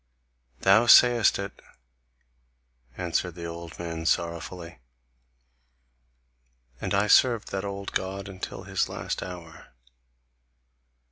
"Thou sayest it," answered the old man sorrowfully. "And I served that old God until his last hour.